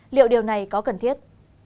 liệu điều này có cần thiết